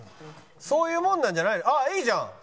そういうもんなんじゃないあっいいじゃん！